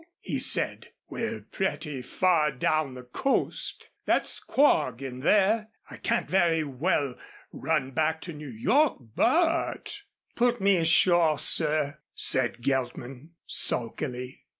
he said. "We're pretty far down the coast. That's Quogue in there. I can't very well run back to New York, but " "Put me ashore, sir," said Geltman sulkily.